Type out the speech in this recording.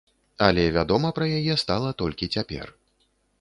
Але вядома пра яе стала толькі цяпер.